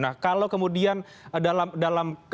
nah kalau kemudian dalam